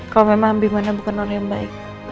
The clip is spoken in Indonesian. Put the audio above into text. kalau memang bima bukan orang yang baik